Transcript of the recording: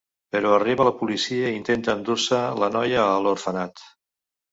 Però arriba la policia i intenta endur-se la noia a l'orfenat.